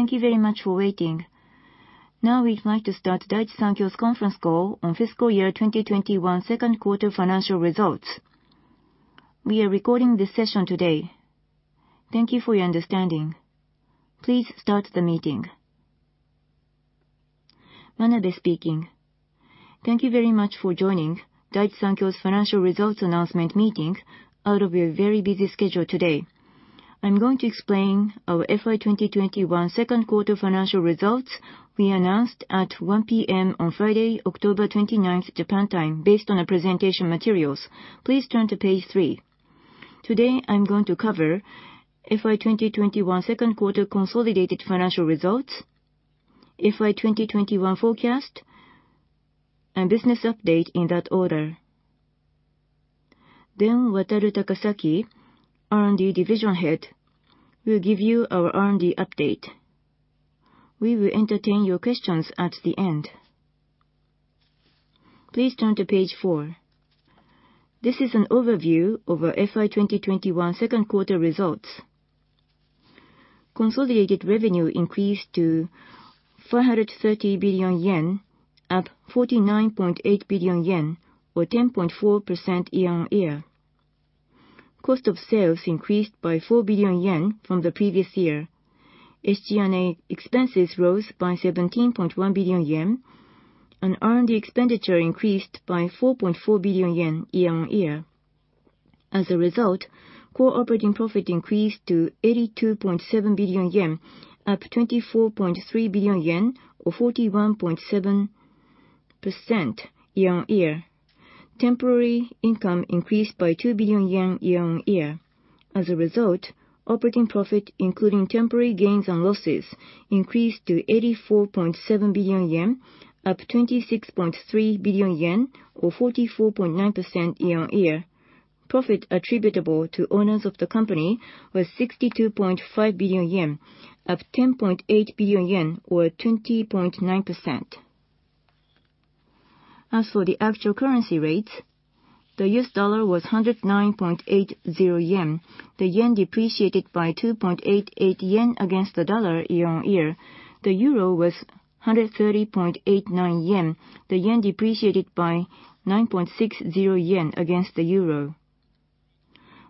Manabe speaking. Thank you very much for joining Daiichi Sankyo's financial results announcement meeting out of your very busy schedule today. I'm going to explain our FY 2021 second quarter financial results we announced at 1:00 P.M. on Friday, October 29th, Japan time. Based on the presentation materials, please turn to page three. Today, I'm going to cover FY 2021 second quarter consolidated financial results, FY 2021 forecast, and business update in that order. Then Wataru Takasaki, R&D Division Head, will give you our R&D update. We will entertain your questions at the end. Please turn to page four. This is an overview of our FY 2021 second quarter results. Consolidated revenue increased to 430 billion yen, up 49.8 billion yen, or 10.4% year-on-year. Cost of sales increased by 4 billion yen from the previous year. SG&A expenses rose by 17.1 billion yen, and R&D expenditure increased by 4.4 billion yen year-on-year. As a result, core operating profit increased to 82.7 billion yen, up 24.3 billion yen or 41.7% year-on-year. Temporary income increased by 2 billion yen year-on-year. As a result, operating profit, including temporary gains and losses, increased to 84.7 billion yen, up 26.3 billion yen or 44.9% year-on-year. Profit attributable to owners of the company was 62.5 billion yen, up 10.8 billion yen or 20.9%. As for the actual currency rates, the U.S. dollar was 109.80 billion yen. The yen depreciated by 2.88 billion yen against the dollar year-on-year. The euro was 130.89 billion yen. The yen depreciated by 9.60 billion yen against the euro.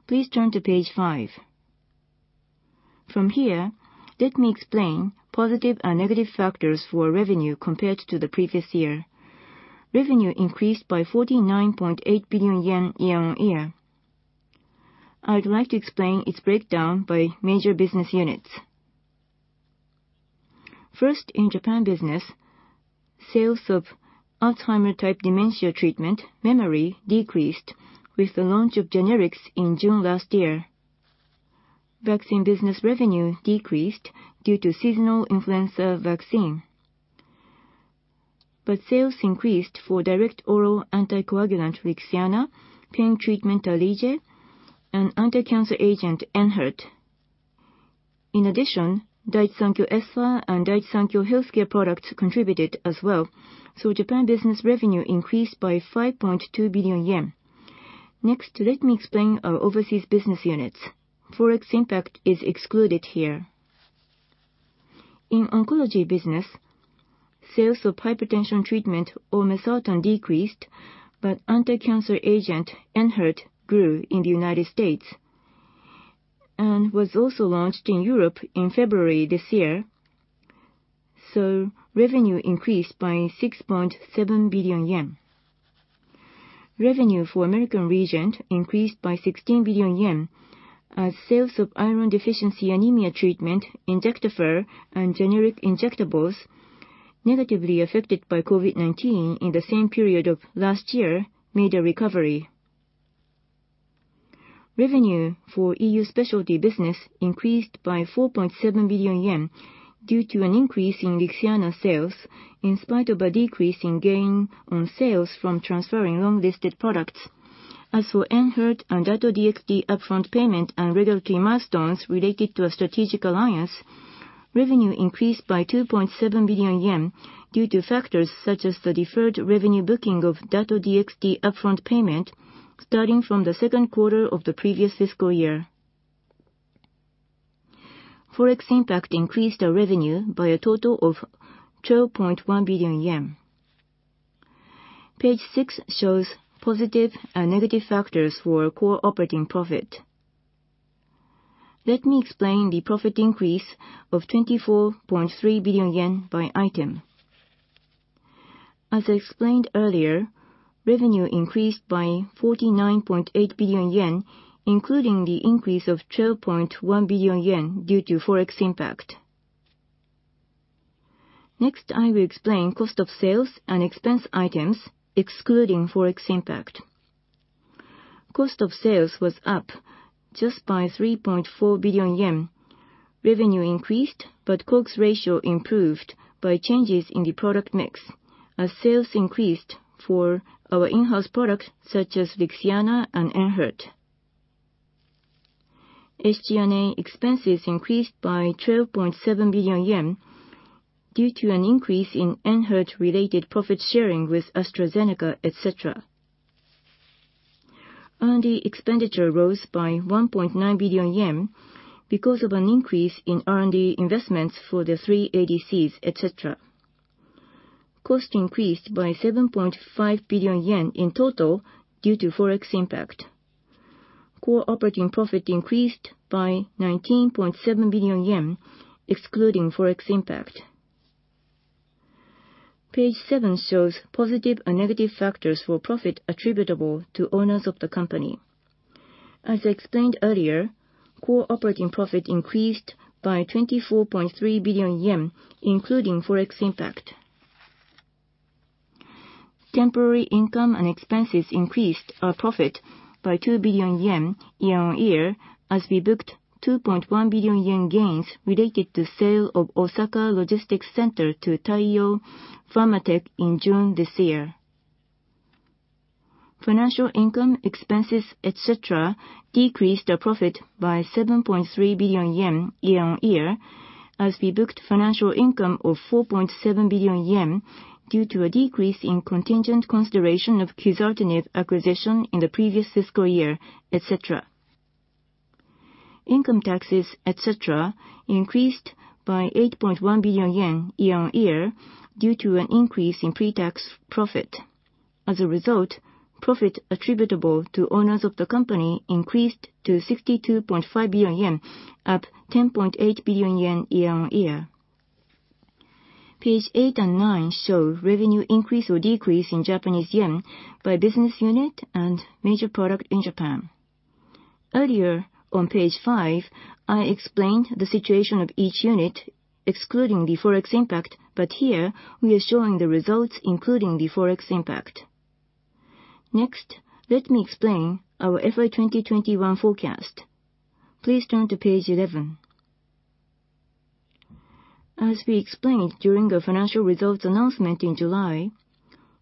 Please turn to page five. From here, let me explain positive and negative factors for revenue compared to the previous year. Revenue increased by 49.8 billion yen year-on-year. I would like to explain its breakdown by major business units. First, in Japan business, sales of Alzheimer's type dementia treatment, Memary, decreased with the launch of generics in June last year. Vaccine business revenue decreased due to seasonal influenza vaccine. Sales increased for direct oral anticoagulant Lixiana, pain treatment, Alej, and anti-cancer agent, ENHERTU. In addition, Daiichi Sankyo Espha and Daiichi Sankyo Healthcare products contributed as well. Japan Business revenue increased by 5.2 billion yen. Next, let me explain our overseas business units. Forex impact is excluded here. In oncology business, sales of hypertension treatment, olmesartan, decreased, but anti-cancer agent, ENHERTU, grew in the United States and was also launched in Europe in February this year. Revenue increased by 6.7 billion yen. Revenue for American region increased by 16 billion yen as sales of iron deficiency anemia treatment, Injectafer, and generic injectables negatively affected by COVID-19 in the same period of last year made a recovery. Revenue for EU specialty business increased by 4.7 billion yen due to an increase in Lixiana sales in spite of a decrease in gain on sales from transferring long-listed products. As for ENHERTU and Dato-DXd upfront payment and regulatory milestones related to a strategic alliance, revenue increased by 2.7 billion yen due to factors such as the deferred revenue booking of Dato-DXd upfront payment starting from the second quarter of the previous fiscal year. Forex impact increased our revenue by a total of 12.1 billion yen. Page six shows positive and negative factors for core operating profit. Let me explain the profit increase of 24.3 billion yen by item. As I explained earlier, revenue increased by 49.8 billion yen, including the increase of 12.1 billion yen due to Forex impact. Next, I will explain cost of sales and expense items excluding Forex impact. Cost of sales was up just by 3.4 billion yen. Revenue increased, but COGS ratio improved by changes in the product mix as sales increased for our in-house products such as Lixiana and ENHERTU. SG&A expenses increased by 12.7 billion yen due to an increase in ENHERTU related profit sharing with AstraZeneca, et cetera. R&D expenditure rose by 1.9 billion yen because of an increase in R&D investments for the three ADCs, et cetera. Cost increased by 7.5 billion yen in total due to Forex impact. Core operating profit increased by 19.7 billion yen, excluding Forex impact. Page seven shows positive and negative factors for profit attributable to owners of the company. As explained earlier, core operating profit increased by 24.3 billion yen, including Forex impact. Temporary income and expenses increased our profit by 2 billion yen year-over-year, as we booked 2.1 billion yen gains related to sale of Osaka Logistics Center to Taiyo Pharma Tech in June this year. Financial income, expenses, et cetera, decreased our profit by 7.3 billion yen year-on-year, as we booked financial income of 4.7 billion yen due to a decrease in contingent consideration of Quizartinib acquisition in the previous fiscal year, et cetera. Income taxes, et cetera, increased by 8.1 billion yen year-on-year due to an increase in pre-tax profit. As a result, profit attributable to owners of the company increased to 62.5 billion yen, up 10.8 billion yen year-on-year. Page eight and nine show revenue increase or decrease in Japanese yen by business unit and major product in Japan. Earlier on page five, I explained the situation of each unit excluding the Forex impact, but here we are showing the results including the Forex impact. Next, let me explain our FY 2021 forecast. Please turn to page 11. As we explained during the financial results announcement in July,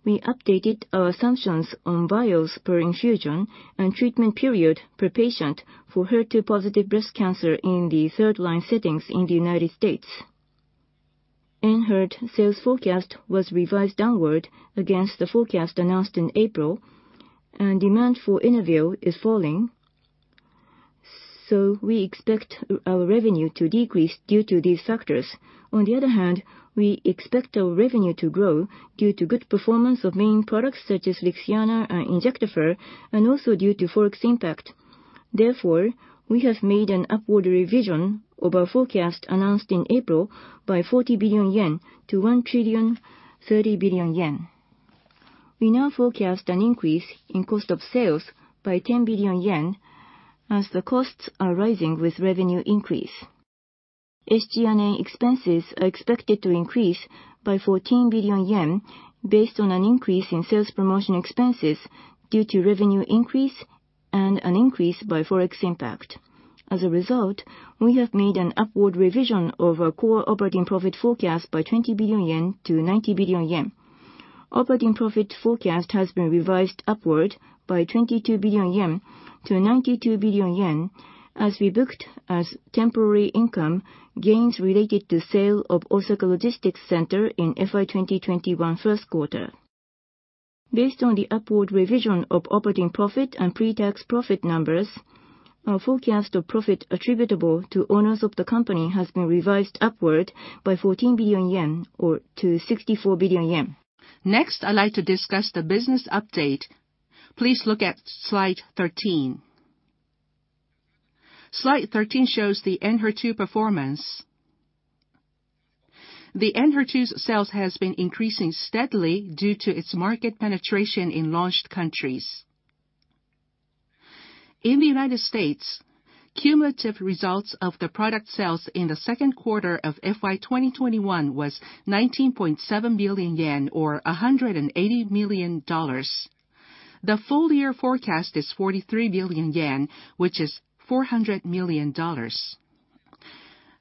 we updated our assumptions on vials per infusion and treatment period per patient for HER2 positive breast cancer in the third line settings in the United States. ENHERTU sales forecast was revised downward against the forecast announced in April, and demand for ENHERTU is falling. We expect our revenue to decrease due to these factors. On the other hand, we expect our revenue to grow due to good performance of main products such as Lixiana and Injectafer, and also due to Forex impact. Therefore, we have made an upward revision of our forecast announced in April by 40 billion yen to 1 trillion, 30 billion yen. We now forecast an increase in cost of sales by 10 billion yen, as the costs are rising with revenue increase. SG&A expenses are expected to increase by 14 billion yen based on an increase in sales promotion expenses due to revenue increase and an increase by Forex impact. As a result, we have made an upward revision of our core operating profit forecast by 20 billion yen to 90 billion yen. Operating profit forecast has been revised upward by 22 billion yen to 92 billion yen, as we booked as temporary income gains related to sale of Osaka Logistics Center in FY 2021 first quarter. Based on the upward revision of operating profit and pre-tax profit numbers, our forecast of profit attributable to owners of the company has been revised upward by 14 billion yen to 64 billion yen. Next, I'd like to discuss the business update. Please look at slide 13. Slide 13 shows the ENHERTU performance. The ENHERTU's sales has been increasing steadily due to its market penetration in launched countries. In the United States, cumulative results of the product sales in the second quarter of FY 2021 was 19.7 billion yen or $180 million. The full year forecast is 43 billion yen, which is $400 million.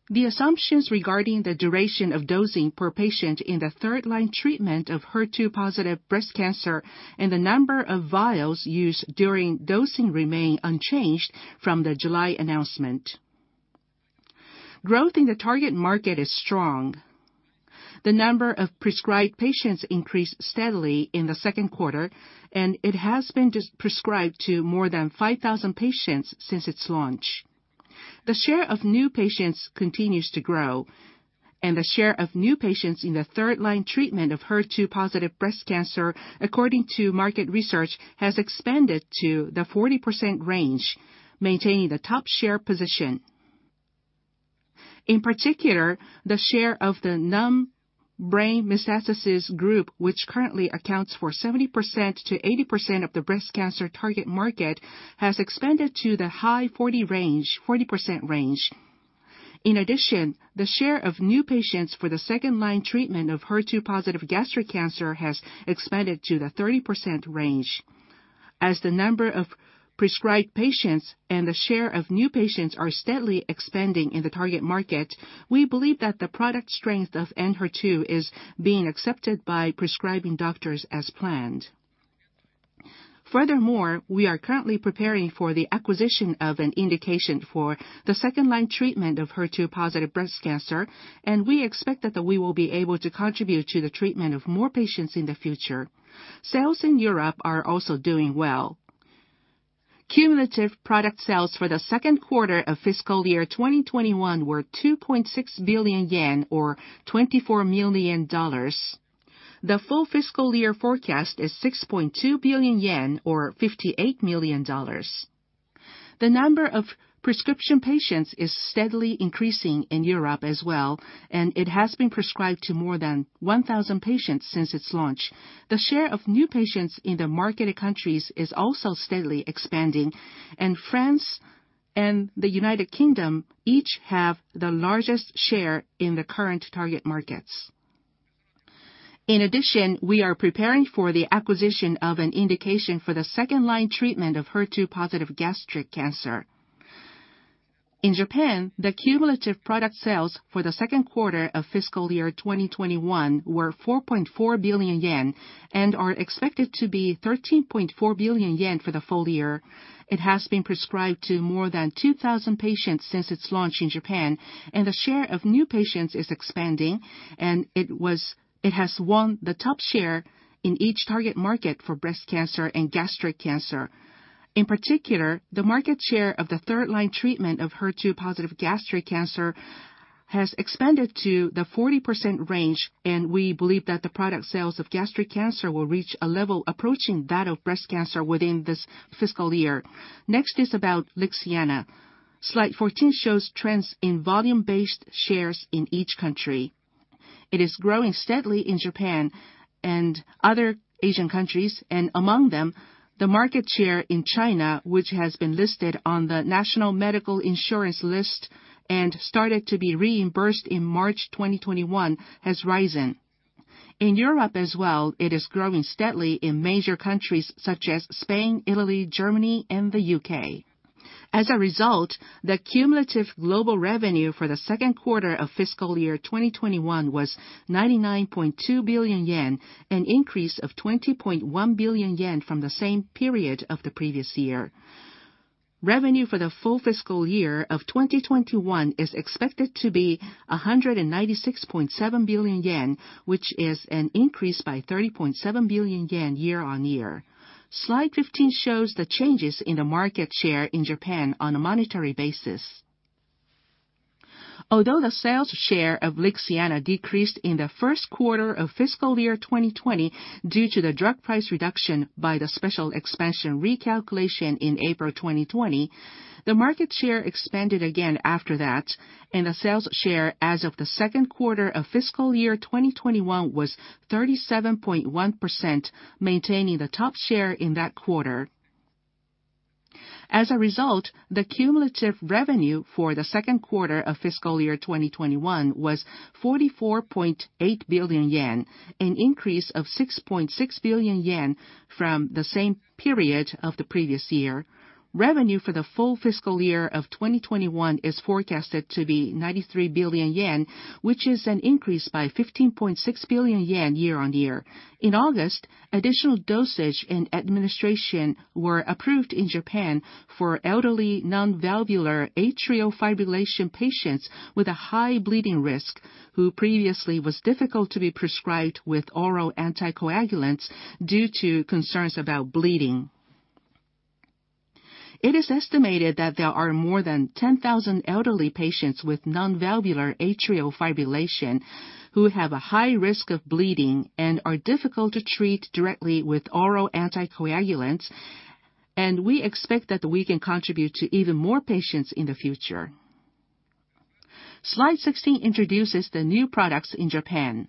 The assumptions regarding the duration of dosing per patient in the third line treatment of HER2 positive breast cancer and the number of vials used during dosing remain unchanged from the July announcement. Growth in the target market is strong. The number of prescribed patients increased steadily in the second quarter, and it has been prescribed to more than 5,000 patients since its launch. The share of new patients continues to grow, and the share of new patients in the third-line treatment of HER2-positive breast cancer according to market research has expanded to the 40% range, maintaining the top share position. In particular, the share of the non-brain metastasis group, which currently accounts for 70%-80% of the breast cancer target market, has expanded to the high 40 range, 40% range. In addition, the share of new patients for the second-line treatment of HER2-positive gastric cancer has expanded to the 30% range. As the number of prescribed patients and the share of new patients are steadily expanding in the target market, we believe that the product strength of ENHERTU is being accepted by prescribing doctors as planned. Furthermore, we are currently preparing for the acquisition of an indication for the second line treatment of HER2 positive breast cancer, and we expect that we will be able to contribute to the treatment of more patients in the future. Sales in Europe are also doing well. Cumulative product sales for the second quarter of fiscal year 2021 were 2.6 billion yen, or $24 million. The full fiscal year forecast is 6.2 billion yen, or $58 million. The number of prescription patients is steadily increasing in Europe as well, and it has been prescribed to more than 1,000 patients since its launch. The share of new patients in the marketed countries is also steadily expanding, and France and the United Kingdom each have the largest share in the current target markets. In addition, we are preparing for the acquisition of an indication for the second-line treatment of HER2 positive gastric cancer. In Japan, the cumulative product sales for the second quarter of fiscal year 2021 were 4.4 billion yen and are expected to be 13.4 billion yen for the full year. It has been prescribed to more than 2,000 patients since its launch in Japan, and the share of new patients is expanding, it has won the top share in each target market for breast cancer and gastric cancer. In particular, the market share of the third-line treatment of HER2 positive gastric cancer has expanded to the 40% range, and we believe that the product sales of gastric cancer will reach a level approaching that of breast cancer within this fiscal year. Next is about Lixiana. Slide 14 shows trends in volume-based shares in each country. It is growing steadily in Japan and other Asian countries, and among them, the market share in China, which has been listed on the National Medical Insurance list and started to be reimbursed in March 2021, has risen. In Europe as well, it is growing steadily in major countries such as Spain, Italy, Germany, and the U.K. As a result, the cumulative global revenue for the second quarter of fiscal year 2021 was 99.2 billion yen, an increase of 20.1 billion yen from the same period of the previous year. Revenue for the full fiscal year of 2021 is expected to be 196.7 billion yen, which is an increase by 30.7 billion yen year-on-year. Slide 15 shows the changes in the market share in Japan on a monetary basis. Although the sales share of Lixiana decreased in the first quarter of fiscal year 2020 due to the drug price reduction by the special expansion recalculation in April 2020, the market share expanded again after that, and the sales share as of the second quarter of fiscal year 2021 was 37.1%, maintaining the top share in that quarter. As a result, the cumulative revenue for the second quarter of fiscal year 2021 was 44.8 billion yen, an increase of 6.6 billion yen from the same period of the previous year. Revenue for the full fiscal year of 2021 is forecasted to be 93 billion yen, which is an increase by 15.6 billion yen year-on-year. In August, additional dosage and administration were approved in Japan for elderly non-valvular atrial fibrillation patients with a high bleeding risk who previously was difficult to be prescribed with oral anticoagulants due to concerns about bleeding. It is estimated that there are more than 10,000 elderly patients with non-valvular atrial fibrillation who have a high risk of bleeding and are difficult to treat directly with oral anticoagulants. We expect that we can contribute to even more patients in the future. Slide 16 introduces the new products in Japan.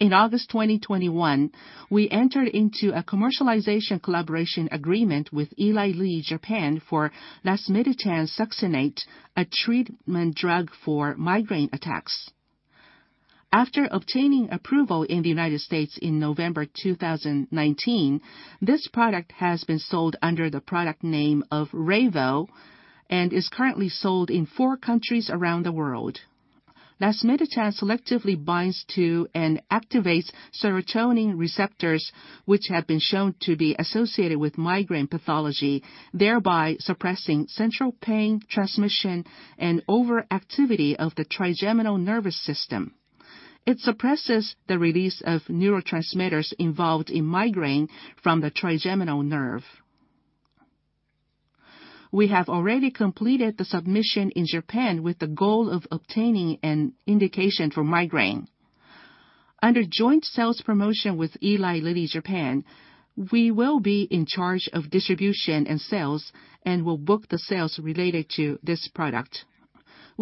In August 2021, we entered into a commercialization collaboration agreement with Eli Lilly Japan for lasmiditan succinate, a treatment drug for migraine attacks. After obtaining approval in the United States in November 2019, this product has been sold under the product name of Reyvow and is currently sold in four countries around the world. Lasmiditan selectively binds to and activates serotonin receptors which have been shown to be associated with migraine pathology, thereby suppressing central pain transmission and overactivity of the trigeminal nervous system. It suppresses the release of neurotransmitters involved in migraine from the trigeminal nerve. We have already completed the submission in Japan with the goal of obtaining an indication for migraine. Under joint sales promotion with Eli Lilly Japan, we will be in charge of distribution and sales and will book the sales related to this product.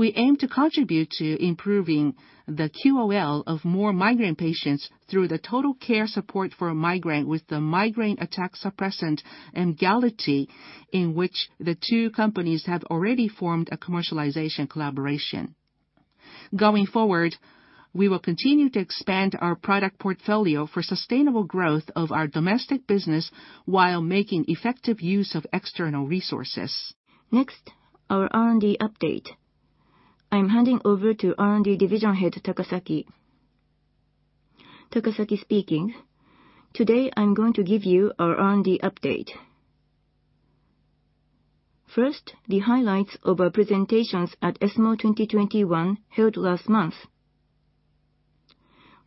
We aim to contribute to improving the QOL of more migraine patients through the total care support for migraine with the migraine attack suppressant, Emgality, in which the two companies have already formed a commercialization collaboration. Going forward, we will continue to expand our product portfolio for sustainable growth of our domestic business while making effective use of external resources. Next, our R&D update. I'm handing over to R&D Division Head Takasaki. Takasaki speaking. Today, I'm going to give you our R&D update. First, the highlights of our presentations at ESMO 2021 held last month.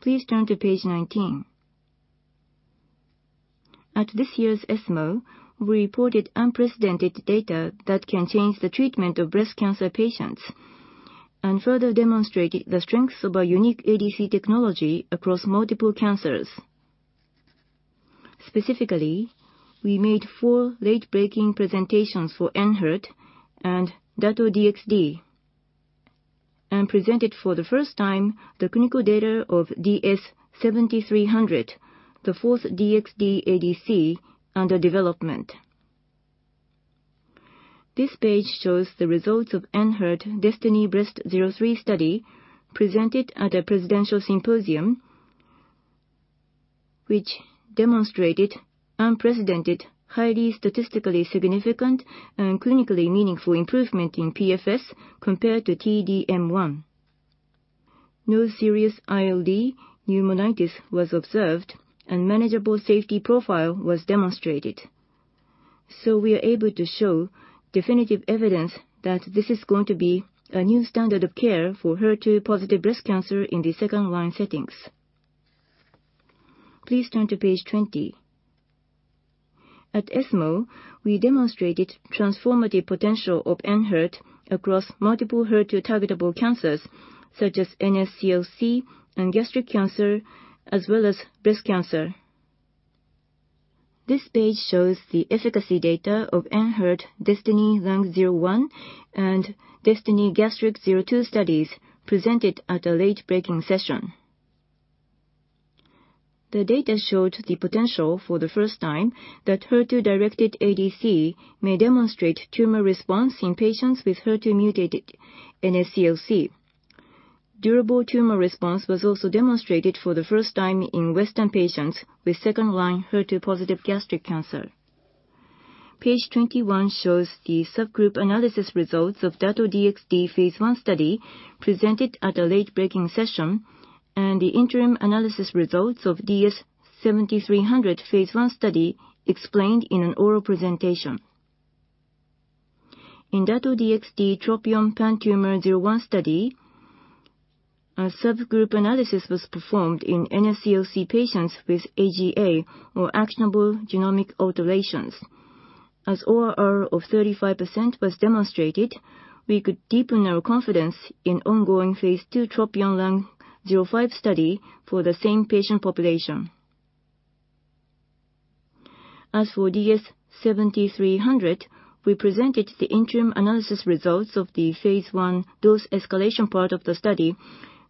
Please turn to page 19. At this year's ESMO, we reported unprecedented data that can change the treatment of breast cancer patients and further demonstrate the strengths of our unique ADC technology across multiple cancers. Specifically, we made four late-breaking presentations for ENHERTU and Dato-DXd, and presented for the first time the clinical data of DS-7300, the fourth DXd ADC under development. This page shows the results of ENHERTU DESTINY-Breast03 study presented at a presidential symposium, which demonstrated unprecedented, highly statistically significant and clinically meaningful improvement in PFS compared to T-DM1. No serious ILD pneumonitis was observed, and manageable safety profile was demonstrated. We are able to show definitive evidence that this is going to be a new standard of care for HER2-positive breast cancer in the second-line settings. Please turn to page 20. At ESMO, we demonstrated transformative potential of ENHERTU across multiple HER2-targetable cancers such as NSCLC and gastric cancer, as well as breast cancer. This page shows the efficacy data of ENHERTU DESTINY-Lung01 and DESTINY-Gastric02 studies presented at a late-breaking session. The data showed the potential for the first time that HER2-directed ADC may demonstrate tumor response in patients with HER2-mutated NSCLC. Durable tumor response was also demonstrated for the first time in Western patients with second-line HER2-positive gastric cancer. Page 21 shows the subgroup analysis results of Dato-DXd phase I study presented at a late-breaking session and the interim analysis results of DS-7300 phase I study explained in an oral presentation. In Dato-DXd TROPION-PanTumor01 study, a subgroup analysis was performed in NSCLC patients with AGA or actionable genomic alterations. As ORR of 35% was demonstrated, we could deepen our confidence in ongoing phase II TROPION-Lung05 study for the same patient population. As for DS-7300, we presented the interim analysis results of the phase I dose escalation part of the study,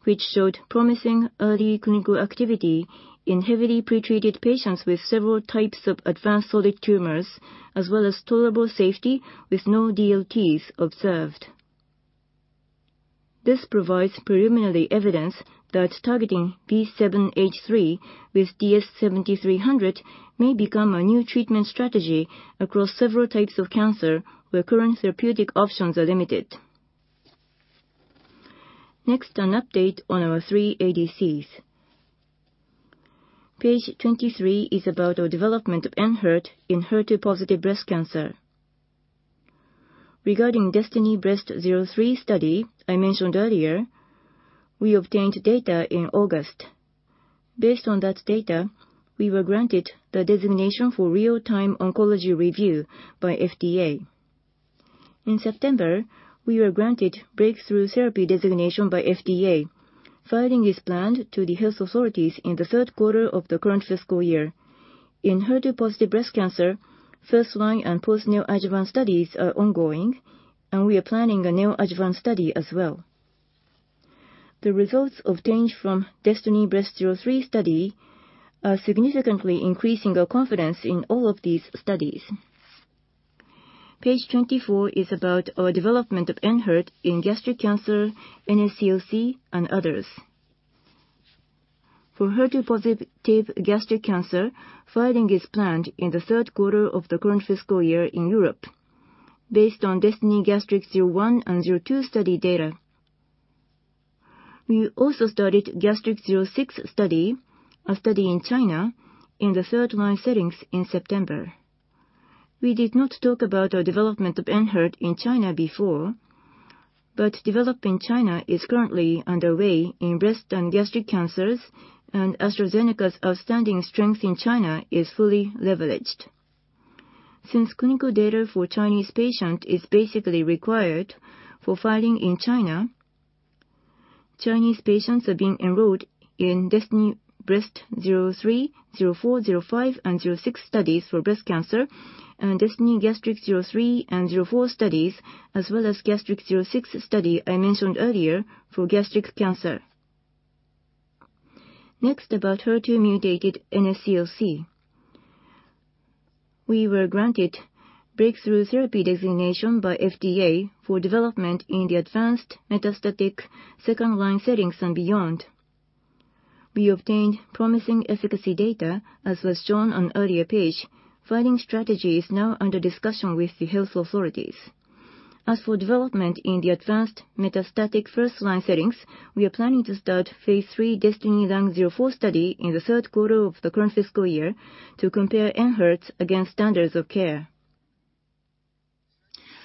which showed promising early clinical activity in heavily pretreated patients with several types of advanced solid tumors, as well as tolerable safety with no DLTs observed. This provides preliminary evidence that targeting B7-H3 with DS-7300 may become a new treatment strategy across several types of cancer where current therapeutic options are limited. Next, an update on our three ADCs. Page 23 is about our development of ENHERTU in HER2-positive breast cancer. Regarding DESTINY-Breast03 study I mentioned earlier, we obtained data in August. Based on that data, we were granted the designation for Real-Time Oncology Review by FDA. In September, we were granted Breakthrough Therapy designation by FDA. Filing is planned to the health authorities in the third quarter of the current fiscal year. In HER2-positive breast cancer, first-line and post-neoadjuvant studies are ongoing, and we are planning a neoadjuvant study as well. The results obtained from DESTINY-Breast03 study are significantly increasing our confidence in all of these studies. Page 24 is about our development of ENHERTU in gastric cancer, NSCLC, and others. For HER2-positive gastric cancer, filing is planned in the third quarter of the current fiscal year in Europe based on DESTINY-Gastric01 and DESTINY-Gastric02 study data. We also started DESTINY-Gastric06 study, a study in China, in the third-line settings in September. We did not talk about our development of ENHERTU in China before, but development in China is currently underway in breast and gastric cancers, and AstraZeneca's outstanding strength in China is fully leveraged. Since clinical data for Chinese patient is basically required for filing in China, Chinese patients are being enrolled in DESTINY-Breast03, DESTINY-Breast04, DESTINY-Breast05, and DESTINY-Breast06 studies for breast cancer, and DESTINY-Gastric03 and DESTINY-Gastric04 studies as well as DESTINY-Gastric06 study I mentioned earlier for gastric cancer. Next, about HER2-mutated NSCLC. We were granted Breakthrough Therapy designation by FDA for development in the advanced metastatic second-line settings and beyond. We obtained promising efficacy data, as was shown on earlier page. Filing strategy is now under discussion with the health authorities. As for development in the advanced metastatic first-line settings, we are planning to start phase III DESTINY-Lung04 study in the third quarter of the current fiscal year to compare ENHERTU against standards of care.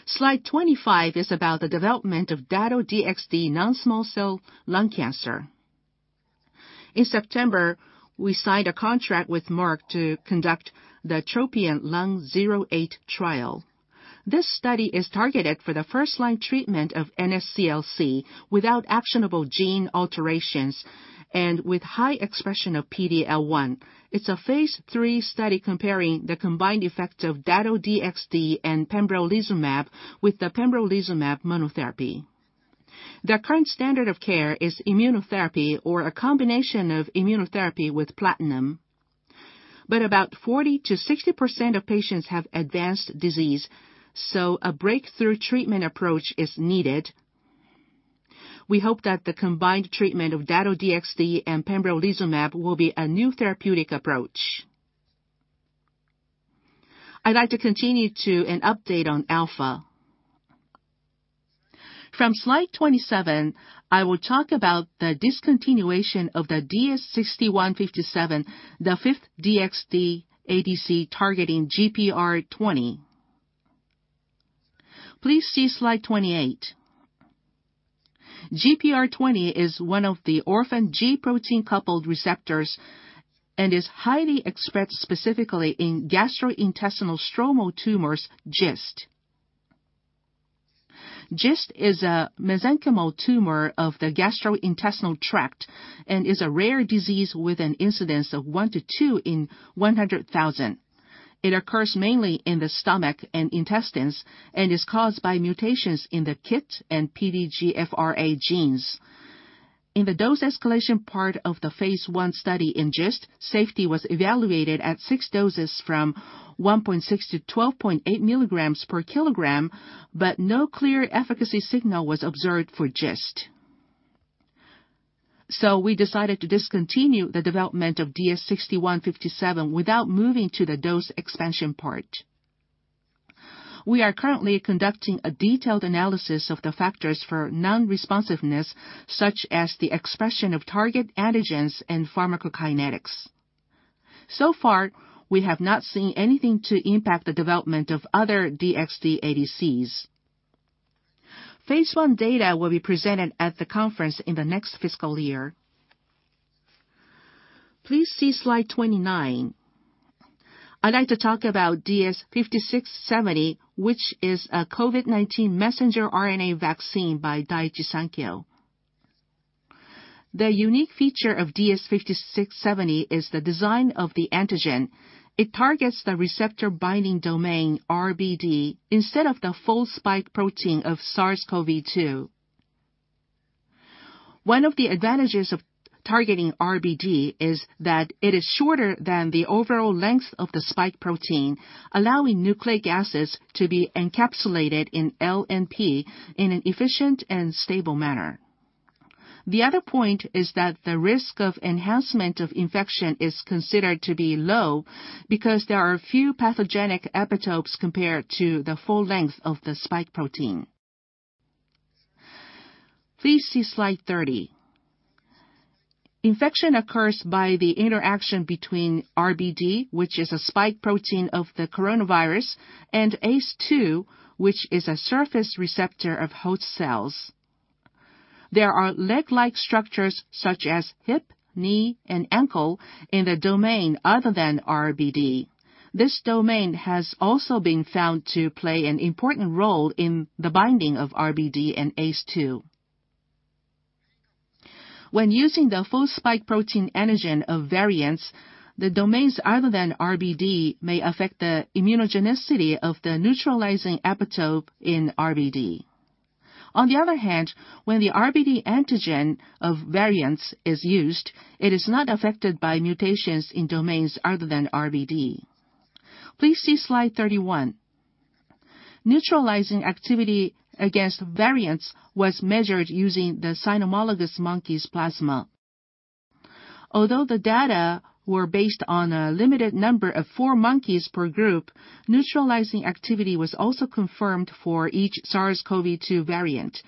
Slide 25 is about the development of Dato-DXd non-small cell lung cancer. In September, we signed a contract with Merck to conduct the TROPION-Lung08 trial. This study is targeted for the first line treatment of NSCLC without actionable gene alterations and with high expression of PDL1. It's a phase III study comparing the combined effect of Dato-DXd and pembrolizumab with the pembrolizumab monotherapy. The current standard of care is immunotherapy or a combination of immunotherapy with platinum. About 40%-60% of patients have advanced disease, so a breakthrough treatment approach is needed. We hope that the combined treatment of Dato-DXd and pembrolizumab will be a new therapeutic approach. I'd like to continue to an update on alpha. From slide 27, I will talk about the discontinuation of the DS-6157, the fifth DXd ADC targeting GPR20. Please see slide 28. GPR20 is one of the orphan G protein coupled receptors and is highly expressed specifically in gastrointestinal stromal tumors, GIST. GIST is a mesenchymal tumor of the gastrointestinal tract and is a rare disease with an incidence of 1-2 in 100,000. It occurs mainly in the stomach and intestines and is caused by mutations in the KIT and PDGFRA genes. In the dose escalation part of the phase I study in GIST, safety was evaluated at 6 doses from 1.6-12.8 mg/kg, but no clear efficacy signal was observed for GIST. We decided to discontinue the development of DS-6157 without moving to the dose expansion part. We are currently conducting a detailed analysis of the factors for non-responsiveness, such as the expression of target antigens and pharmacokinetics. So far, we have not seen anything to impact the development of other DXd ADCs. Phase I data will be presented at the conference in the next fiscal year. Please see slide 29. I'd like to talk about DS-5670, which is a COVID-19 messenger RNA vaccine by Daiichi Sankyo. The unique feature of DS-5670 is the design of the antigen. It targets the receptor binding domain, RBD, instead of the full spike protein of SARS-CoV-2. One of the advantages of targeting RBD is that it is shorter than the overall length of the spike protein, allowing nucleic acids to be encapsulated in LNP in an efficient and stable manner. The other point is that the risk of enhancement of infection is considered to be low because there are few pathogenic epitopes compared to the full length of the spike protein. Please see slide 30. Infection occurs by the interaction between RBD, which is a spike protein of the coronavirus, and ACE2, which is a surface receptor of host cells. There are leg-like structures such as hip, knee, and ankle in the domain other than RBD. This domain has also been found to play an important role in the binding of RBD and ACE2. When using the full spike protein antigen of variants, the domains other than RBD may affect the immunogenicity of the neutralizing epitope in RBD. On the other hand, when the RBD antigen of variants is used, it is not affected by mutations in domains other than RBD. Please see slide 31. Neutralizing activity against variants was measured using the cynomolgus monkey's plasma. Although the data were based on a limited number of four monkeys per group, neutralizing activity was also confirmed for each SARS-CoV-2 variant.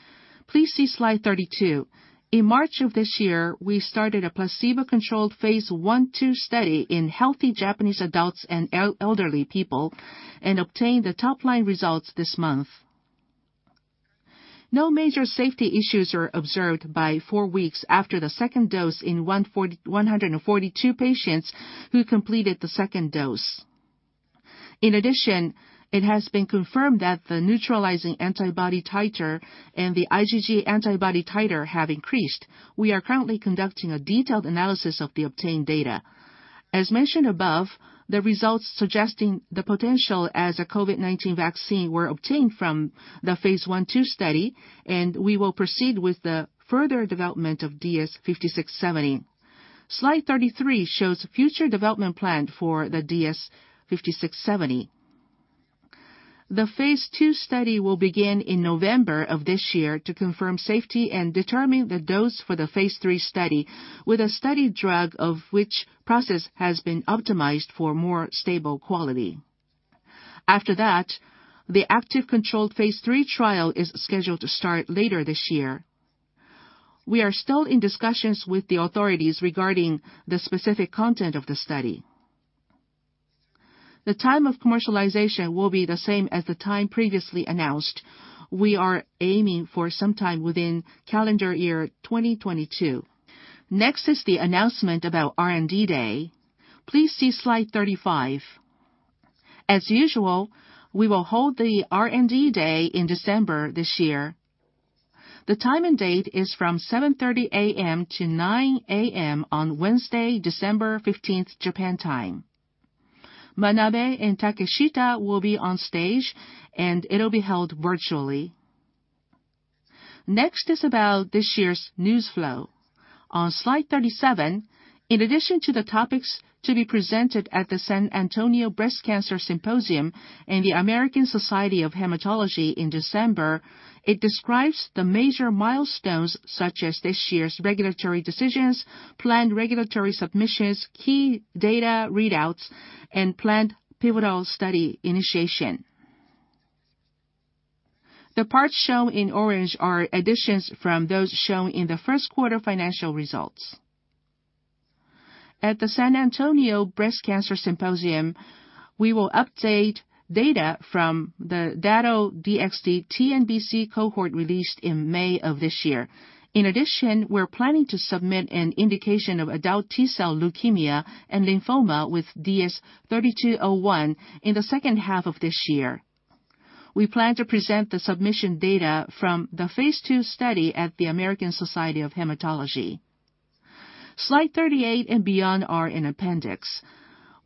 Please see slide 32. In March of this year, we started a placebo-controlled phase I/II study in healthy Japanese adults and elderly people and obtained the top-line results this month. No major safety issues were observed by four weeks after the second dose in 142 patients who completed the second dose. In addition, it has been confirmed that the neutralizing antibody titer and the IgG antibody titer have increased. We are currently conducting a detailed analysis of the obtained data. As mentioned above, the results suggesting the potential as a COVID-19 vaccine were obtained from the phase I/II study, and we will proceed with the further development of DS-5670. Slide 33 shows future development plan for the DS-5670. The phase II study will begin in November of this year to confirm safety and determine the dose for the phase III study with a study drug of which process has been optimized for more stable quality. After that, the active controlled phase III trial is scheduled to start later this year. We are still in discussions with the authorities regarding the specific content of the study. The time of commercialization will be the same as the time previously announced. We are aiming for some time within calendar year 2022. Next is the announcement about R&D Day. Please see slide 35. As usual, we will hold the R&D Day in December this year. The time and date is from 7:30 A.M. to 9:00 A.M. on Wednesday, December 15th, Japan time. Manabe and Takeshita will be on stage, and it'll be held virtually. Next is about this year's news flow. On slide 37, in addition to the topics to be presented at the San Antonio Breast Cancer Symposium and the American Society of Hematology in December, it describes the major milestones such as this year's regulatory decisions, planned regulatory submissions, key data readouts, and planned pivotal study initiation. The parts shown in orange are additions from those shown in the first quarter financial results. At the San Antonio Breast Cancer Symposium, we will update data from the Dato-DXd TNBC cohort released in May of this year. In addition, we're planning to submit an indication of adult T-cell leukemia and lymphoma with DS-3201 in the second half of this year. We plan to present the submission data from the phase II study at the American Society of Hematology. Slide 38 and beyond are in appendix.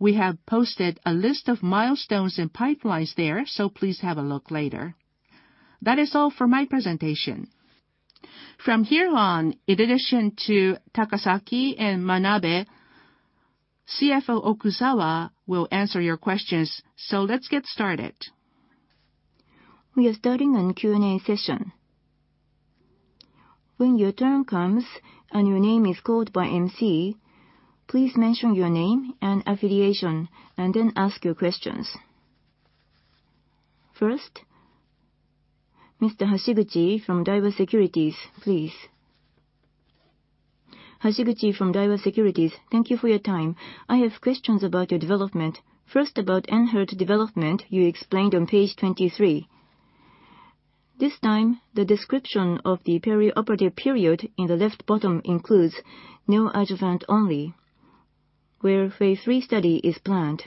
We have posted a list of milestones and pipelines there, so please have a look later. That is all for my presentation. From here on, in addition to Takasaki and Manabe, CFO Okuzawa will answer your questions. Let's get started. We are starting a Q&A session. When your turn comes and your name is called by MC, please mention your name and affiliation, and then ask your questions. First, Mr. Hashiguchi from Daiwa Securities, please. Hashiguchi from Daiwa Securities. Thank you for your time. I have questions about your development. First, about ENHERTU development you explained on page 23. This time, the description of the perioperative period in the left bottom includes neoadjuvant only, where phase III study is planned.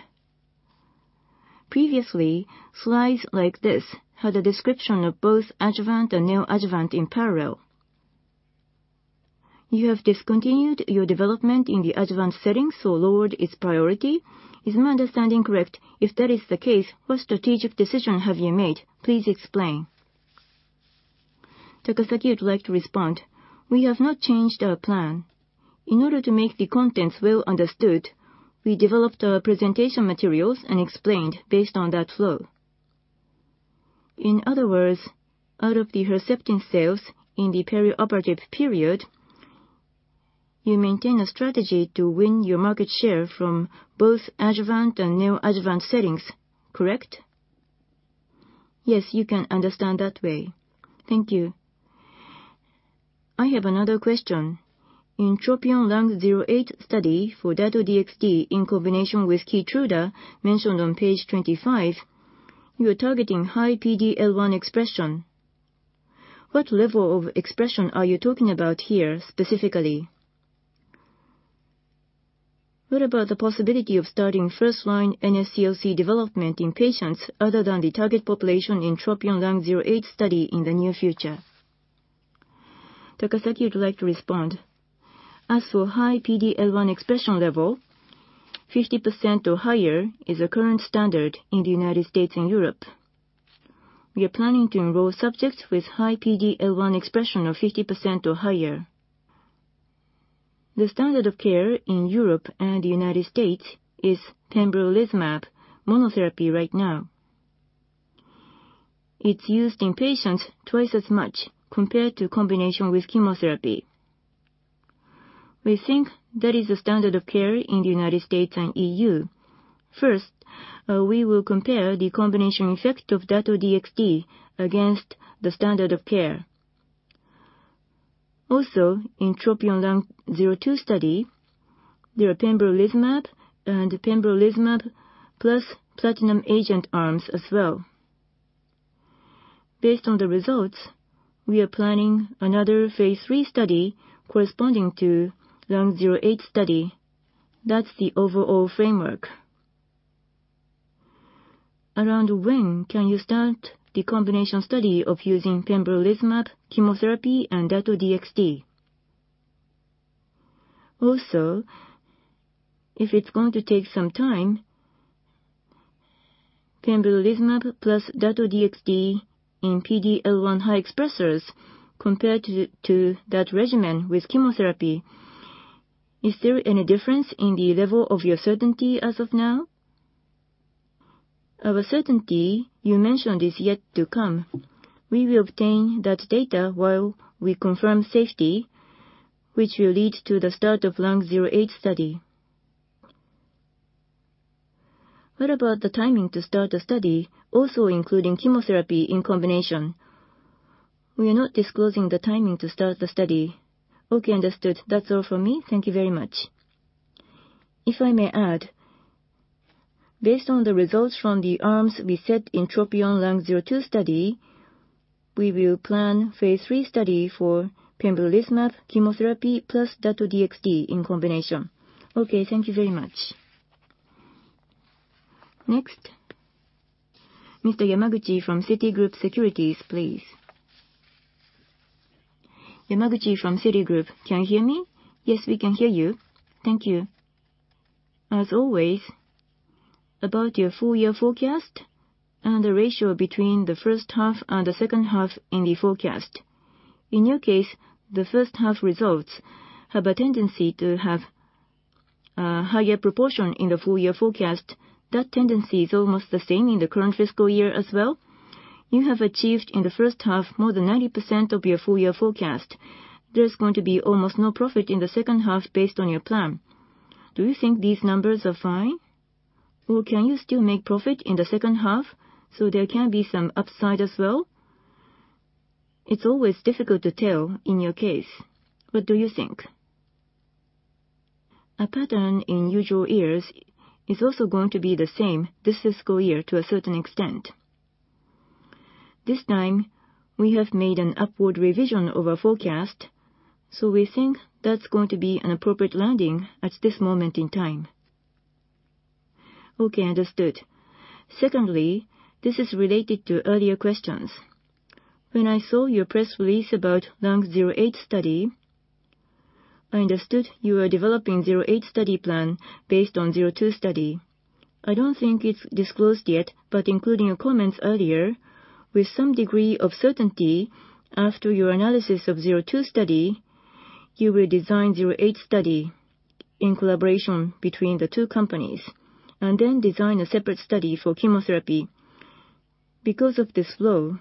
Previously, slides like this had a description of both adjuvant and neoadjuvant in parallel. You have discontinued your development in the adjuvant setting, so lowered its priority. Is my understanding correct? If that is the case, what strategic decision have you made? Please explain. Takasaki would like to respond. We have not changed our plan. In order to make the contents well understood, we developed our presentation materials and explained based on that flow. In other words, out of the Herceptin sales in the perioperative period, you maintain a strategy to win your market share from both adjuvant and neoadjuvant settings, correct? Yes, you can understand that way. Thank you. I have another question. In TROPION-Lung08 study for Dato-DXd in combination with Keytruda mentioned on page 25, you are targeting high PD-L1 expression. What level of expression are you talking about here specifically? What about the possibility of starting first-line NSCLC development in patients other than the target population in TROPION-Lung08 study in the near future? Takasaki would like to respond. As for high PD-L1 expression level, 50% or higher is the current standard in the United States and Europe. We are planning to enroll subjects with high PD-L1 expression of 50% or higher. The standard of care in Europe and the United States is pembrolizumab monotherapy right now. It's used in patients twice as much compared to combination with chemotherapy. We think that is the standard of care in the United States and EU. First, we will compare the combination effect of Dato-DXd against the standard of care. Also, in TROPION-Lung02 study, there are pembrolizumab and pembrolizumab plus platinum agent arms as well. Based on the results, we are planning another phase III study corresponding to TROPION-Lung08 study. That's the overall framework. Around when can you start the combination study of using pembrolizumab, chemotherapy, and Dato-DXd? Also, if it's going to take some time, pembrolizumab plus Dato-DXd in PD-L1 high expressers compared to that regimen with chemotherapy, is there any difference in the level of your certainty as of now? Our certainty you mentioned is yet to come. We will obtain that data while we confirm safety, which will lead to the start of Lung08 study. What about the timing to start a study also including chemotherapy in combination? We are not disclosing the timing to start the study. Okay, understood. That's all for me. Thank you very much. If I may add, based on the results from the arms we set in TROPION-Lung02 study, we will plan phase III study for pembrolizumab chemotherapy plus Dato-DXd in combination. Okay, thank you very much. Next. Mr. Yamaguchi from Citigroup Securities, please. Yamaguchi from Citigroup. Can you hear me? Yes, we can hear you. Thank you. As always, about your full year forecast and the ratio between the first half and the second half in the forecast. In your case, the first half results have a tendency to have a higher proportion in the full year forecast. That tendency is almost the same in the current fiscal year as well. You have achieved in the first half more than 90% of your full year forecast. There's going to be almost no profit in the second half based on your plan. Do you think these numbers are fine, or can you still make profit in the second half so there can be some upside as well? It's always difficult to tell in your case. What do you think? A pattern in usual years is also going to be the same this fiscal year to a certain extent. This time, we have made an upward revision of our forecast, so we think that's going to be an appropriate landing at this moment in time. Okay, understood. Secondly, this is related to earlier questions. When I saw your press release about Lung-08 study, I understood you were developing 08 study plan based on 02 study. I don't think it's disclosed yet, but including your comments earlier, with some degree of certainty, after your analysis of 02 study, you will design 08 study in collaboration between the two companies and then design a separate study for chemotherapy. Because of this flow,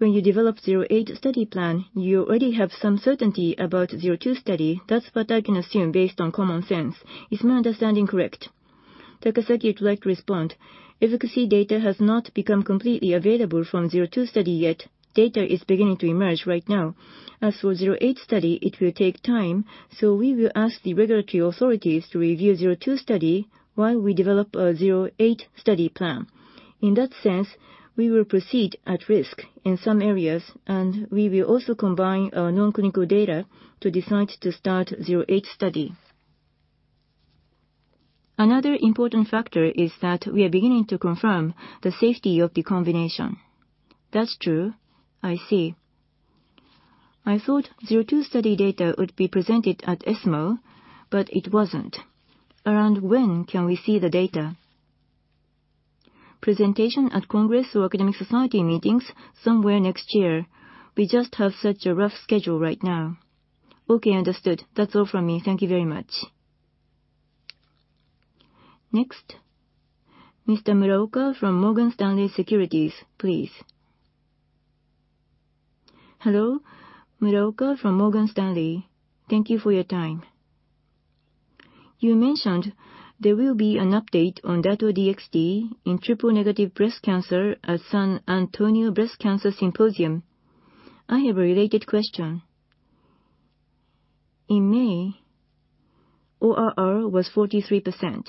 when you develop 08 study plan, you already have some certainty about 02 study. That's what I can assume based on common sense. Is my understanding correct? Takasaki would like to respond. Efficacy data has not become completely available from 02 study yet. Data is beginning to emerge right now. As for 08 study, it will take time, so we will ask the regulatory authorities to review 02 study while we develop a 08 study plan. In that sense, we will proceed at risk in some areas, and we will also combine our non-clinical data to decide to start 08 study. Another important factor is that we are beginning to confirm the safety of the combination. That's true. I see. I thought 02 study data would be presented at ESMO, but it wasn't. Around when can we see the data? Presentation at congress or academic society meetings somewhere next year. We just have such a rough schedule right now. Okay, understood. That's all from me. Thank you very much. Next. Mr. Muraoka from Morgan Stanley Securities, please. Hello. Muraoka from Morgan Stanley. Thank you for your time. You mentioned there will be an update on Dato-DXd in triple-negative breast cancer at San Antonio Breast Cancer Symposium. I have a related question. In May, ORR was 43%.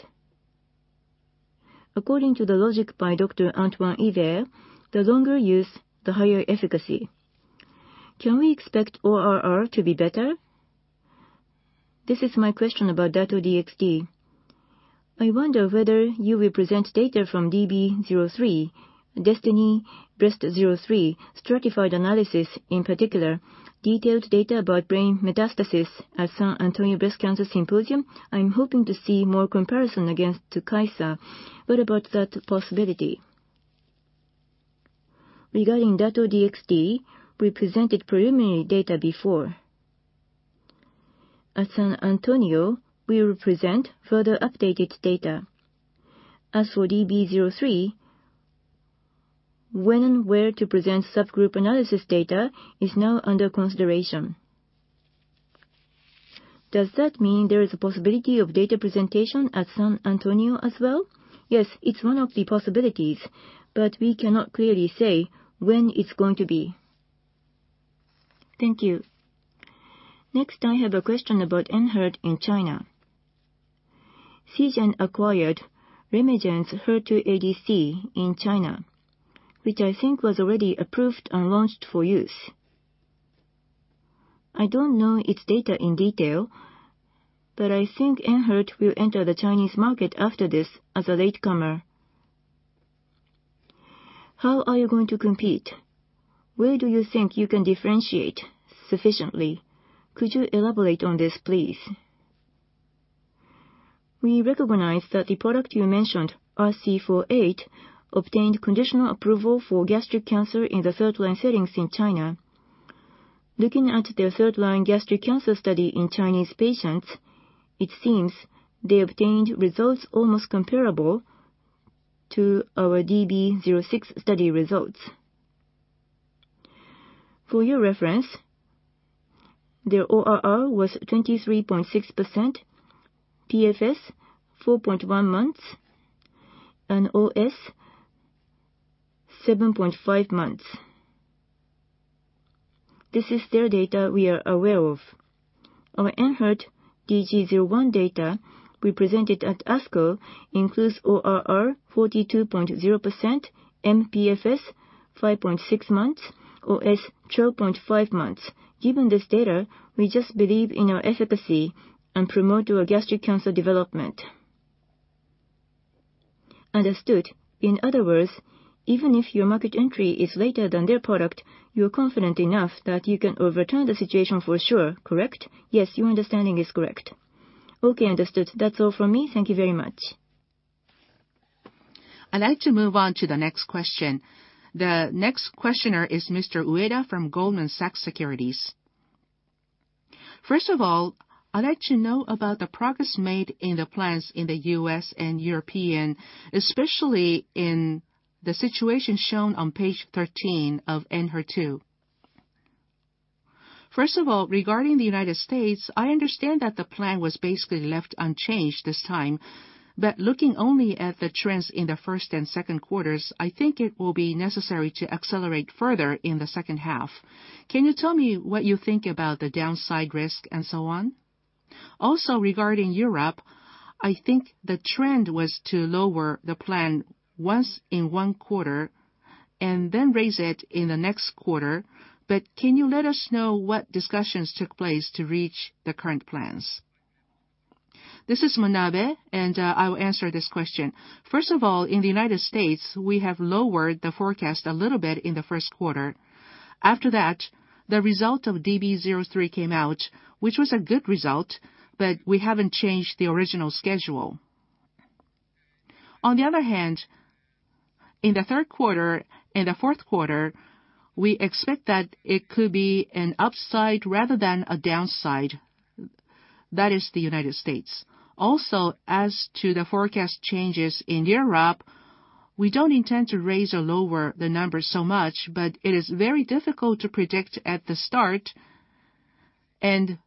According to the logic by Dr. Ian Krop, the longer use, the higher efficacy. Can we expect ORR to be better? This is my question about Dato-DXd. I wonder whether you will present data from DB-03, DESTINY-Breast03, stratified analysis, in particular, detailed data about brain metastasis at San Antonio Breast Cancer Symposium. I'm hoping to see more comparison against to Keytruda. What about that possibility? Regarding Dato-DXd, we presented preliminary data before. At San Antonio, we will present further updated data. As for DB-03, when and where to present subgroup analysis data is now under consideration. Does that mean there is a possibility of data presentation at San Antonio as well? Yes, it's one of the possibilities, but we cannot clearly say when it's going to be. Thank you. Next, I have a question about ENHERTU in China. Seagen acquired RemeGen's HER2 ADC in China, which I think was already approved and launched for use. I don't know its data in detail, but I think ENHERTU will enter the Chinese market after this as a latecomer. How are you going to compete? Where do you think you can differentiate sufficiently? Could you elaborate on this, please? We recognize that the product you mentioned, RC48, obtained conditional approval for gastric cancer in the third-line settings in China. Looking at their third-line gastric cancer study in Chinese patients, it seems they obtained results almost comparable to our DESTINY-Gastric06 study results. For your reference, their ORR was 23.6%, PFS 4.1 months, and OS 7.5 months. This is their data we are aware of. Our ENHERTU DESTINY-Gastric01 data we presented at ASCO includes ORR 42.0%, mPFS 5.6 months, OS 12.5 months. Given this data, we just believe in our efficacy and promote our gastric cancer development. Understood. In other words, even if your market entry is later than their product, you're confident enough that you can overturn the situation for sure, correct? Yes, your understanding is correct. Okay, understood. That's all from me. Thank you very much. I'd like to move on to the next question. The next questioner is Mr. Ueda from Goldman Sachs Securities. First of all, I'd like to know about the progress made in the plans in the U.S. and Europe, especially in the situation shown on page 13 of ENHERTU. First of all, regarding the United States, I understand that the plan was basically left unchanged this time. Looking only at the trends in the first and second quarters, I think it will be necessary to accelerate further in the second half. Can you tell me what you think about the downside risk and so on? Also regarding Europe, I think the trend was to lower the plan once in one quarter and then raise it in the next quarter. Can you let us know what discussions took place to reach the current plans? This is Manabe, and I will answer this question. First of all, in the United States, we have lowered the forecast a little bit in the first quarter. After that, the result of DB-03 came out, which was a good result, but we haven't changed the original schedule. On the other hand, in the third quarter and the fourth quarter, we expect that it could be an upside rather than a downside. That is the United States. Also, as to the forecast changes in Europe, we don't intend to raise or lower the numbers so much, but it is very difficult to predict at the start, and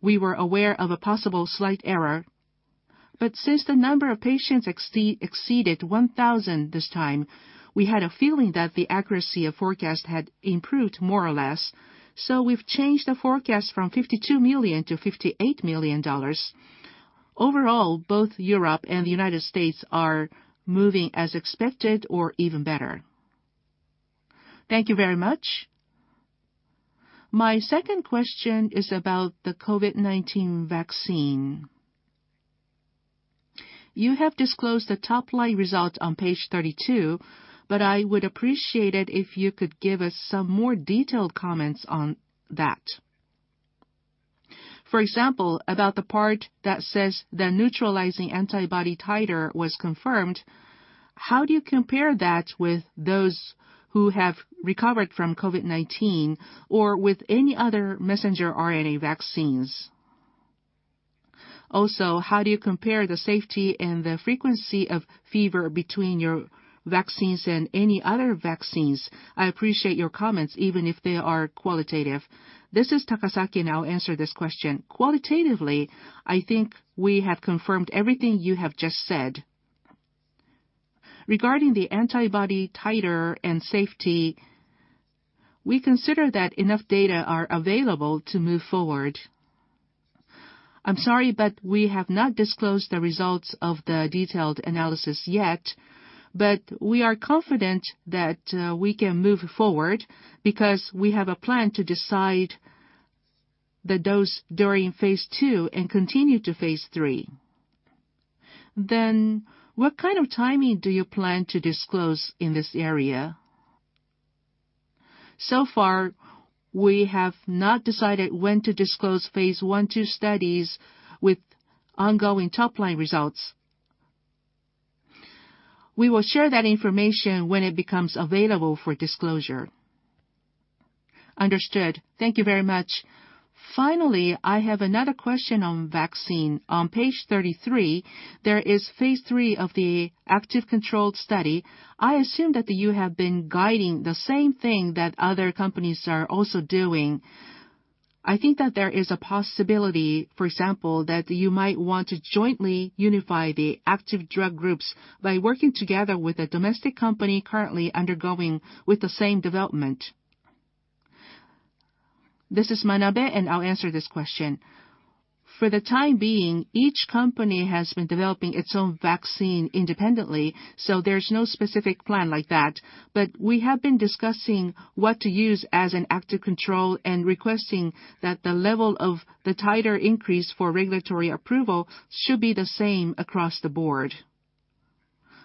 we were aware of a possible slight error. Since the number of patients exceeded 1,000 this time, we had a feeling that the accuracy of forecast had improved more or less. We've changed the forecast from $52 million to $58 million. Overall, both Europe and the United States are moving as expected or even better. Thank you very much. My second question is about the COVID-19 vaccine. You have disclosed the top-line result on page 32, but I would appreciate it if you could give us some more detailed comments on that. For example, about the part that says the neutralizing antibody titer was confirmed, how do you compare that with those who have recovered from COVID-19 or with any other messenger RNA vaccines? Also, how do you compare the safety and the frequency of fever between your vaccines and any other vaccines? I appreciate your comments, even if they are qualitative. This is Takasaki, and I'll answer this question. Qualitatively, I think we have confirmed everything you have just said. Regarding the antibody titer and safety, we consider that enough data are available to move forward. I'm sorry, but we have not disclosed the results of the detailed analysis yet. We are confident that, we can move forward because we have a plan to decide the dose during phase II and continue to phase III. What kind of timing do you plan to disclose in this area? So far, we have not decided when to disclose phase I, II studies with ongoing top-line results. We will share that information when it becomes available for disclosure. Understood. Thank you very much. Finally, I have another question on vaccine. On page 33, there is phase III of the active controlled study. I assume that you have been guiding the same thing that other companies are also doing. I think that there is a possibility, for example, that you might want to jointly unify the active drug groups by working together with a domestic company currently undergoing the same development. This is Sunao Manabe, and I'll answer this question. For the time being, each company has been developing its own vaccine independently, so there's no specific plan like that. We have been discussing what to use as an active control and requesting that the level of the titer increase for regulatory approval should be the same across the board.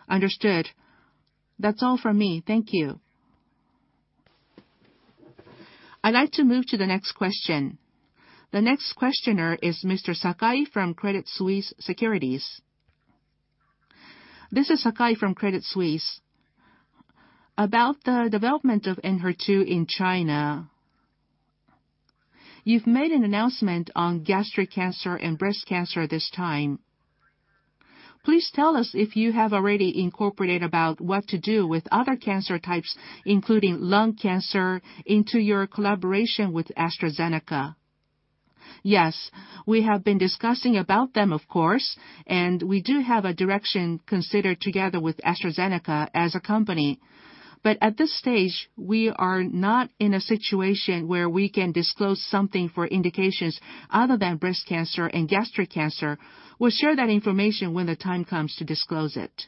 Understood. That's all for me. Thank you. I'd like to move to the next question. The next questioner is Mr. Sakai from Credit Suisse Securities. This is Sakai from Credit Suisse. About the development of ENHERTU in China. You've made an announcement on gastric cancer and breast cancer this time. Please tell us if you have already incorporated about what to do with other cancer types including lung cancer into your collaboration with AstraZeneca. Yes. We have been discussing about them of course, and we do have a direction considered together with AstraZeneca as a company. But at this stage, we are not in a situation where we can disclose something for indications other than breast cancer and gastric cancer. We'll share that information when the time comes to disclose it.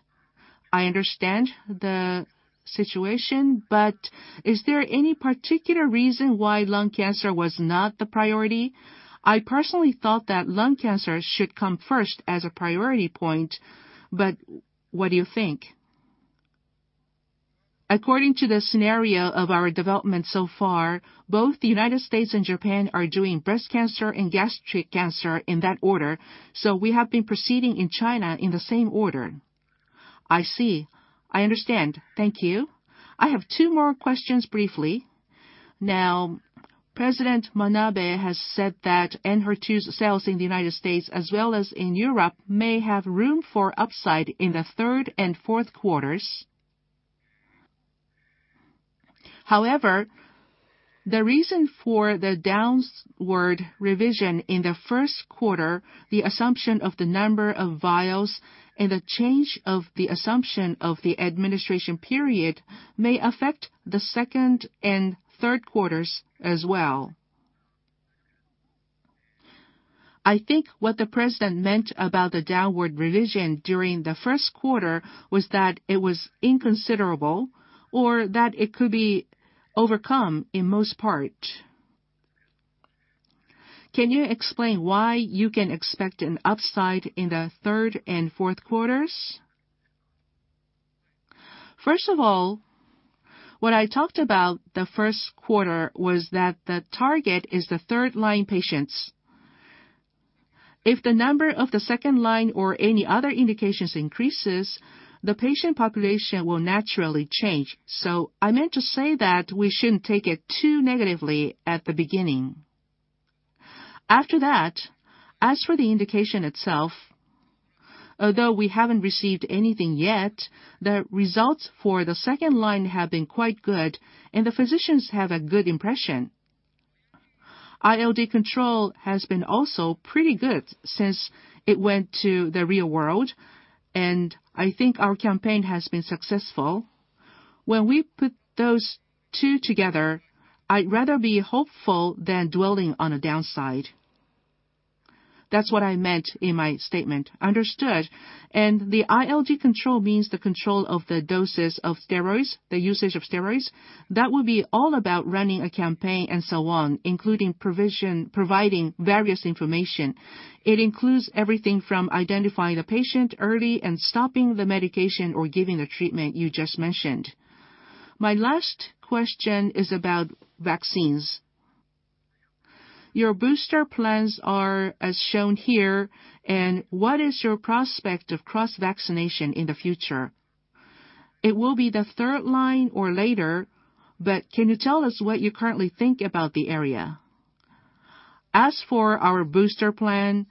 I understand the situation, but is there any particular reason why lung cancer was not the priority? I personally thought that lung cancer should come first as a priority point, but what do you think? According to the scenario of our development so far, both the United States and Japan are doing breast cancer and gastric cancer in that order, so we have been proceeding in China in the same order. I see. I understand. Thank you. I have two more questions briefly. Now, President Manabe has said that ENHERTU's sales in the United States as well as in Europe may have room for upside in the third and fourth quarters. However, the reason for the downward revision in the first quarter, the assumption of the number of vials and the change of the assumption of the administration period may affect the second and third quarters as well. I think what the president meant about the downward revision during the first quarter was that it was inconsiderable or that it could be overcome in most part. Can you explain why you can expect an upside in the third and fourth quarters? First of all, what I talked about the first quarter was that the target is the third line patients. If the number of the second line or any other indications increases, the patient population will naturally change. I meant to say that we shouldn't take it too negatively at the beginning. After that, as for the indication itself, although we haven't received anything yet, the results for the second line have been quite good and the physicians have a good impression. ILD control has been also pretty good since it went to the real world, and I think our campaign has been successful. When we put those two together, I'd rather be hopeful than dwelling on a downside. That's what I meant in my statement. Understood. The ILD control means the control of the doses of steroids, the usage of steroids. That would be all about running a campaign and so on, including providing various information. It includes everything from identifying the patient early and stopping the medication or giving the treatment you just mentioned. My last question is about vaccines. Your booster plans are as shown here and what is your prospect of cross-vaccination in the future? It will be the third line or later, but can you tell us what you currently think about the area? As for our booster plan,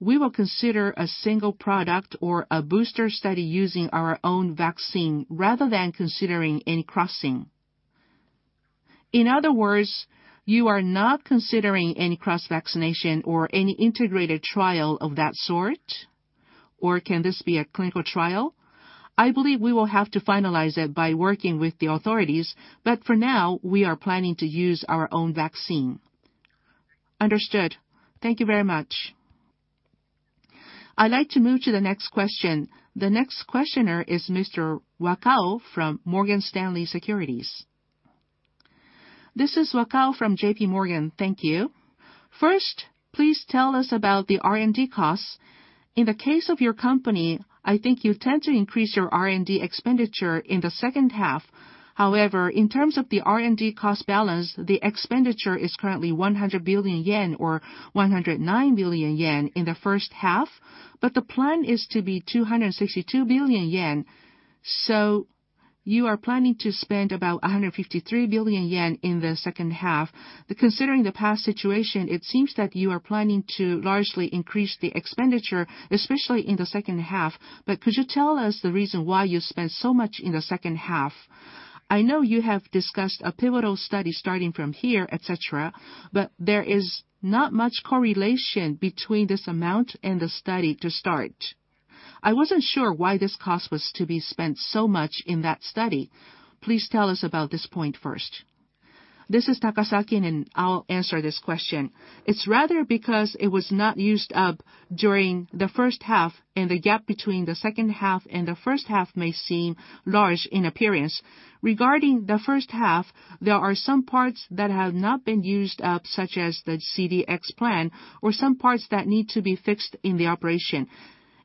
we will consider a single product or a booster study using our own vaccine rather than considering any crossing. In other words, you are not considering any cross-vaccination or any integrated trial of that sort? Or can this be a clinical trial? I believe we will have to finalize it by working with the authorities, but for now, we are planning to use our own vaccine. Understood. Thank you very much. I'd like to move to the next question. The next questioner is Mr. Wakao from Morgan Stanley Securities. This is Wakao from JPMorgan. Thank you. First, please tell us about the R&D costs. In the case of your company, I think you tend to increase your R&D expenditure in the second half. However, in terms of the R&D cost balance, the expenditure is currently 100 billion yen or 109 billion yen in the first half, but the plan is to be 262 billion yen. You are planning to spend about 153 billion yen in the second half. Considering the past situation, it seems that you are planning to largely increase the expenditure, especially in the second half. Could you tell us the reason why you spend so much in the second half? I know you have discussed a pivotal study starting from here, et cetera, et cetera, but there is not much correlation between this amount and the study to start. I wasn't sure why this cost was to be spent so much in that study. Please tell us about this point first. This is Takasaki, and I'll answer this question. It's rather because it was not used up during the first half, and the gap between the second half and the first half may seem large in appearance. Regarding the first half, there are some parts that have not been used up, such as the CDX plan or some parts that need to be fixed in the operation.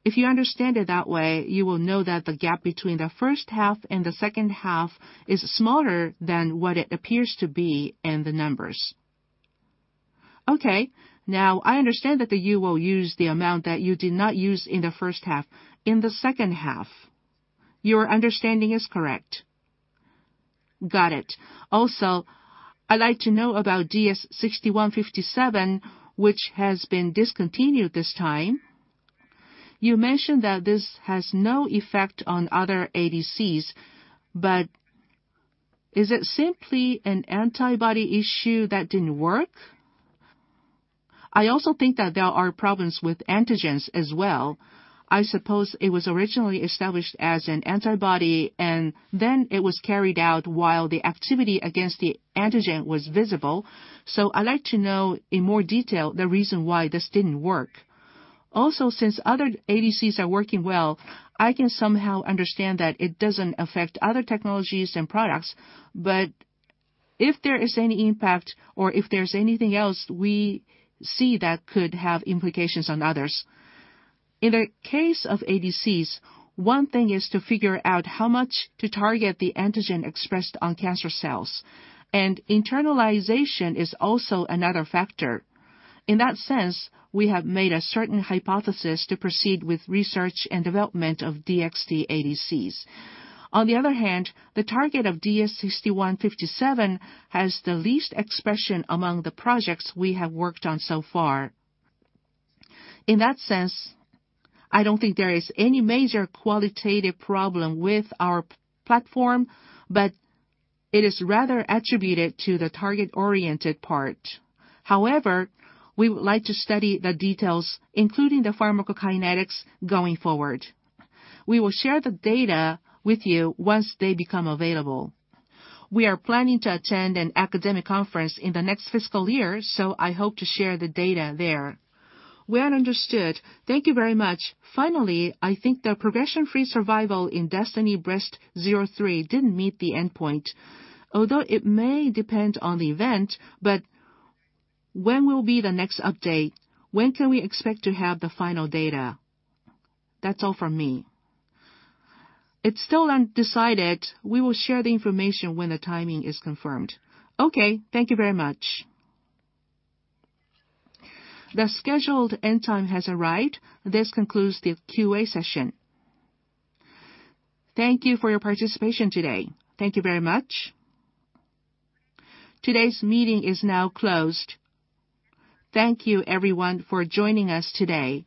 If you understand it that way, you will know that the gap between the first half and the second half is smaller than what it appears to be in the numbers. Okay. Now, I understand that you will use the amount that you did not use in the first half in the second half. Your understanding is correct. Got it. Also, I'd like to know about DS-6157, which has been discontinued this time. You mentioned that this has no effect on other ADCs, but is it simply an antibody issue that didn't work? I also think that there are problems with antigens as well. I suppose it was originally established as an antibody, and then it was carried out while the activity against the antigen was visible. I'd like to know in more detail the reason why this didn't work. Also, since other ADCs are working well, I can somehow understand that it doesn't affect other technologies and products. If there is any impact or if there's anything else we see that could have implications on others. In the case of ADCs, one thing is to figure out how much to target the antigen expressed on cancer cells, and internalization is also another factor. In that sense, we have made a certain hypothesis to proceed with research and development of DXd ADCs. On the other hand, the target of DS-6157 has the least expression among the projects we have worked on so far. In that sense, I don't think there is any major qualitative problem with our platform, but it is rather attributed to the target-oriented part. However, we would like to study the details, including the pharmacokinetics going forward. We will share the data with you once they become available. We are planning to attend an academic conference in the next fiscal year, so I hope to share the data there. Well understood. Thank you very much. Finally, I think the progression-free survival in DESTINY-Breast03 didn't meet the endpoint. Although it may depend on the event, but when will be the next update? When can we expect to have the final data? That's all from me. It's still undecided. We will share the information when the timing is confirmed. Okay. Thank you very much. The scheduled end time has arrived. This concludes the QA session. Thank you for your participation today. Thank you very much. Today's meeting is now closed. Thank you everyone for joining us today.